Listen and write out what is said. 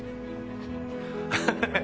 ハハハハ。